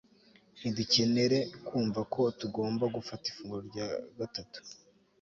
ntidukenere kumva ko tugomba gufata ifunguro rya gatatu